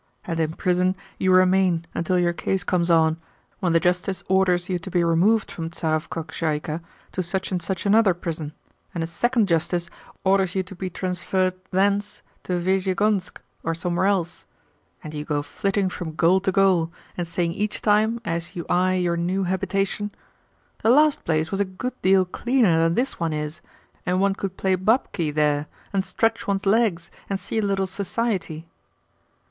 And in prison you remain until your case comes on, when the justice orders you to be removed from Tsarev Kokshaika to such and such another prison, and a second justice orders you to be transferred thence to Vesiegonsk or somewhere else, and you go flitting from gaol to gaol, and saying each time, as you eye your new habitation, 'The last place was a good deal cleaner than this one is, and one could play babki there, and stretch one's legs, and see a little society.